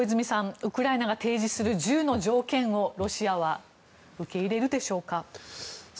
ウクライナが提示する１０の条件をロシアは受け入れるでしょうか？